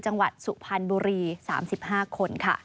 จังหวัดสุพรรณบุรี๓๕คนค่ะ